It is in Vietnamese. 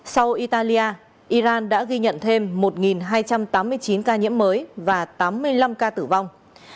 sau italia iran đã ghi nhận thêm một hai trăm tám mươi chín ca nhiễm mới và tám mươi năm ca tử vong